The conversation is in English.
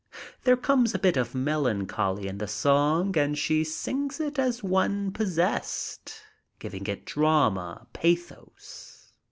There comes a bit of melancholy in the song and she sings it as one possessed, giving it drama, pathos.